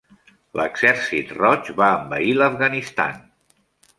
L'Exèrcit Roig va envair l'Afganistan.